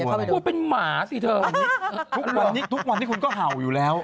ทำไมคุณเป็นหมาสิเธอทุกวันนี้ทุกวันนี้คุณก็เห่าอยู่แล้ว